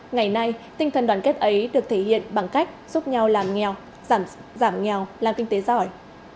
ngày nay tinh thần đoàn kết ấy được thể hiện bằng cách giúp nhau làm nghèo giảm nghèo làm kinh tế giỏi